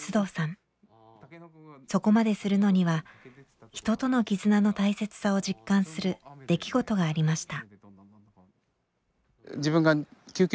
そこまでするのには人との絆の大切さを実感する出来事がありました。